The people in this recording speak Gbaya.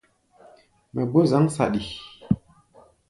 Mɛ gbó zǎŋ saɗi.